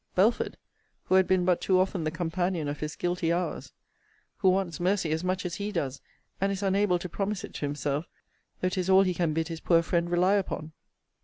Belford, who had been but too often the companion of his guilty hours; who wants mercy as much as he does; and is unable to promise it to himself, though 'tis all he can bid his poor friend rely upon!